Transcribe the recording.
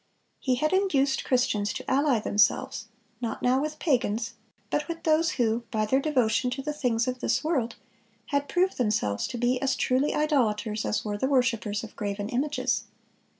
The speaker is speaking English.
He had induced Christians to ally themselves, not now with pagans, but with those who, by their devotion to the things of this world, had proved themselves to be as truly idolaters as were the worshipers of graven images.